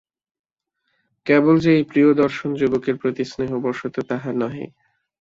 কেবল যে এই প্রিয়দর্শন যুবকের প্রতি স্নেহবশত তাহা নহে।